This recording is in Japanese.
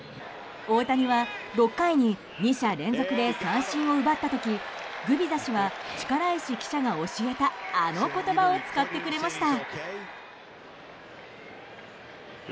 大谷は６回に２者連続で三振を奪った時グビザ氏は力石記者が教えたあの言葉を使ってくれました。